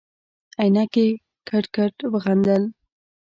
عينکي کټ کټ وخندل.